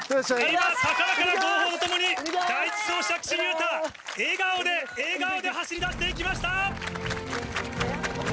今、高らかな号砲とともに、第１走者、岸優太、笑顔で、笑顔で走りだしていきました。